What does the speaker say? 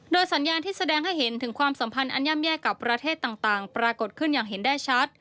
สัญญาณที่แสดงให้เห็นถึงความสัมพันธ์อันย่ำแย่กับประเทศต่างปรากฏขึ้นอย่างเห็นได้ชัด